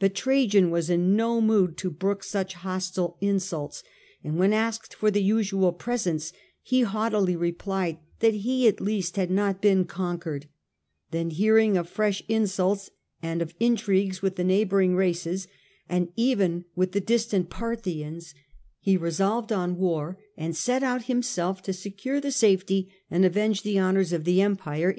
Rut Trajan was in no mood to brook such insults, and when asked for the usual pre sents he haughtily replied that he at least had not been conquered ; then hearing of fresh insults, and of intrigues with the neighbouring races, and even with the distant Trajajide Parthians, he resolved on war, and set out >nd\ct'o^t. bknself to secure the safety and avenge the \.D. loi. honour of the empire.